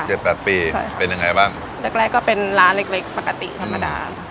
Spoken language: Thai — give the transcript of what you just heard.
แปดปีใช่เป็นยังไงบ้างแรกแรกก็เป็นร้านเล็กเล็กปกติธรรมดา